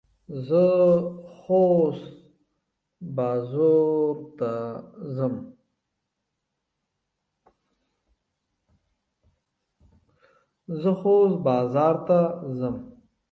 زه خوست بازور ته څم.